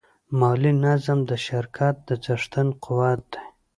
مالي نظم د شرکت د څښتن قوت دی.